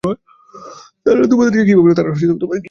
তারা তোমাকে বলেছে?